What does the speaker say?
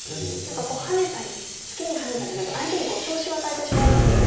何かハネたりツケにハネたりすると相手に調子を与えてしまいますよね。